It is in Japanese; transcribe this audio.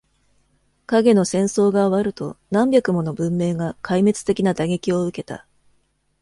「影の戦争」が終わると、何百もの文明が壊滅的な打撃を受けた。